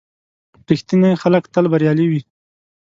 • رښتیني خلک تل بریالي وي.